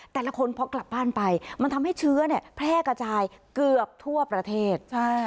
แต่ละคนพอกลับบ้านไปมันทำให้เชื้อแพร่กระจายเกือบทั่วประเทศ